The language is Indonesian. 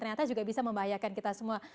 ternyata juga bisa membahayakan kita semua